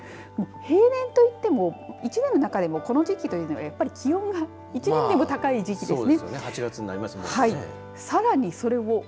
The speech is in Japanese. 平年と言っても一年の中でもこの時期というのは一年で最も高い時期ですね。